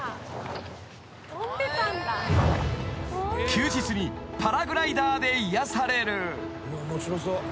［休日にパラグライダーで癒やされる］